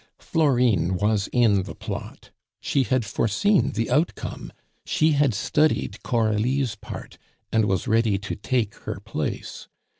Florine was in the plot; she had foreseen the outcome; she had studied Coralie's part, and was ready to take her place.